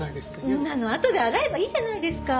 そんなのあとで洗えばいいじゃないですか！